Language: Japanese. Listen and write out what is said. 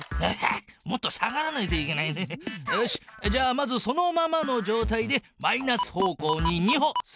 まずそのままのじょうたいでマイナス方向に２歩下がる。